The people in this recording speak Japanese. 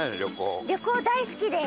旅行大好きです。